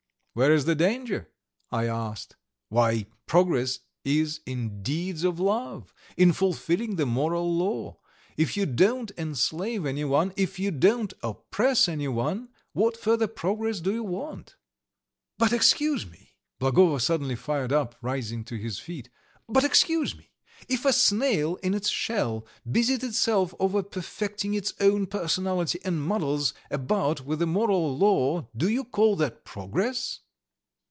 "Where is the danger?" I asked. "Why, progress is in deeds of love, in fulfilling the moral law; if you don't enslave anyone, if you don't oppress anyone, what further progress do you want?" "But, excuse me," Blagovo suddenly fired up, rising to his feet. "But, excuse me! If a snail in its shell busies itself over perfecting its own personality and muddles about with the moral law, do you call that progress?"